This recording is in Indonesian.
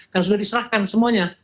kan sudah diserahkan semuanya